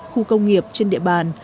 khu công nghiệp trên địa bàn